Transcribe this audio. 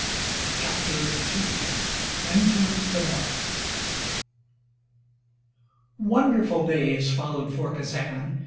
CHAPTER II INTO THE NORTH Wonderful days followed for Kazan.